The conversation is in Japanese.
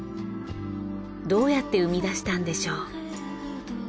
どうやって生み出したんでしょう？